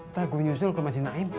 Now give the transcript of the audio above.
ntar gue nyusul ke mas jinaim